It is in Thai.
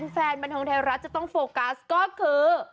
แฟนบันเทิงไทยรัฐจะต้องโฟกัสก็คือ